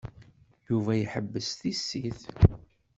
Yuba iḥebbes tissit.